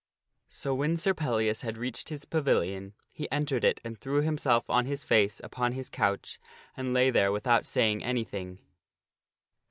So when Sir Pellias had reached his pavilion, he entered it and threw himself on his face upon his couch and lay there without saying anything.